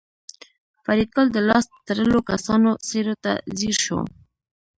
فریدګل د لاس تړلو کسانو څېرو ته ځیر شو